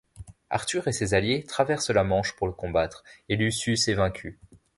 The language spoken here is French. Arthur et ses alliés traversent la Manche pour le combattre et Lucius est vaincu.